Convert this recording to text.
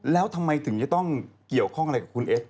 แล้วทำไมถึงจะต้องเกี่ยวข้องอะไรกับคุณเอส